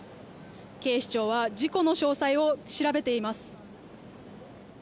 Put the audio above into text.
警視庁は事故の詳細を調べています。